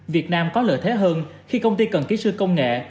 việt nam có lợi thế hơn khi công ty cần kỹ sư công nghệ